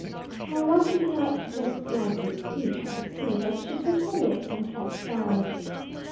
My wife did not just like this speech, I could see, but she bit her lips and kept silent.